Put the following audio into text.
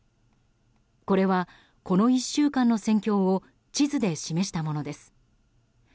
これは、この１週間の戦況を地図で示したものです。